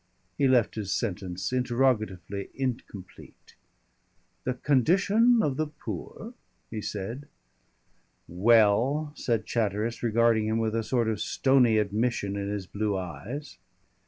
He left his sentence interrogatively incomplete. "The condition of the poor," he said. "Well?" said Chatteris, regarding him with a sort of stony admission in his blue eyes.